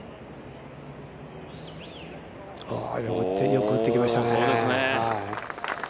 よく打ってきましたね。